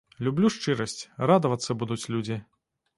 Люблю шчырасць, радавацца будуць людзі.